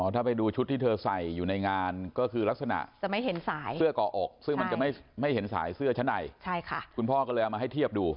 ถ้าไปดูชุดที่เธอใส่อยู่ในงานก็คือลักษณะจะไม่เห็นสายเสื้อก่ออกซึ่งมันจะไม่เห็นสายเสื้อชั้นในคุณพ่อก็เลยเอามาให้เทียบดู